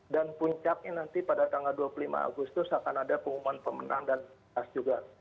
dan puncak ini nanti pada tanggal dua puluh lima agustus akan ada pengumuman pemenang dan khas juga